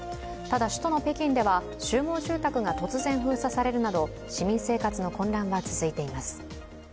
ただ首都の北京では集合住宅が突然封鎖されるなど市民生活の混乱は続いています。